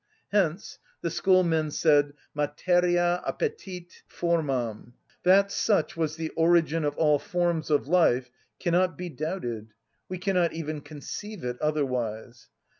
Hence the Schoolmen said: "Materia appetit formam." That such was the origin of all forms of life cannot be doubted: we cannot even conceive it otherwise.